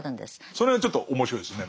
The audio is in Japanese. その辺はちょっと面白いですね